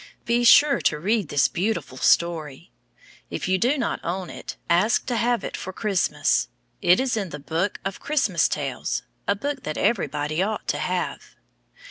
Be sure to read this beautiful story. If you do not own it, ask to have it for Christmas. It is in the book of "Christmas Tales," a book that everybody ought to have.